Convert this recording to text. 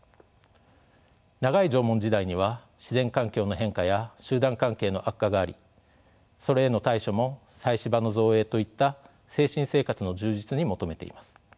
長い縄文時代には自然環境の変化や集団関係の悪化がありそれへの対処も祭祀場の造営といった精神生活の充実に求めています。